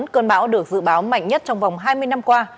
cơn bão được dự báo mạnh nhất trong vòng hai mươi năm qua